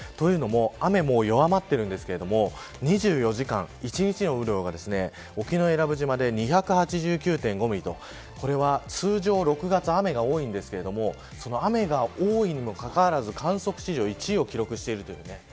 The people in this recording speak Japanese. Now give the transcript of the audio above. というのも雨がもう弱まっているんですが２４時間、一日の雨量が沖永良部島で２８９．５ミリとこれは通常６月雨が多いんですけれどもその雨が多いにもかかわらず観測史上１位を記録しているという。